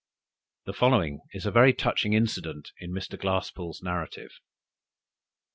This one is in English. The following is a very touching incident in Mr. Glasspoole's narrative.